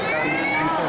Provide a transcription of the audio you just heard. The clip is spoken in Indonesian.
kecuali kecuali kecuali